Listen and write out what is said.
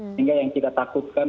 sehingga yang kita takutkan